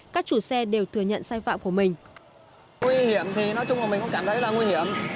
các chủ xe đều thừa nhận sai phạm của mình